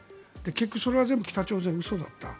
結局それは全部北朝鮮の嘘だった。